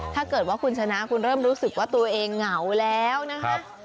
ถ้าเกิดว่าคุณชนะคุณเริ่มรู้สึกว่าตัวเองเหงาแล้วนะคะ